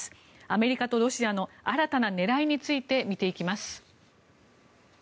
アメリカとロシアの新たな狙いについて見ていきます。